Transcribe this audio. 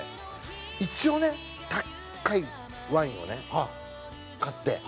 一応ね高いワインをね買って。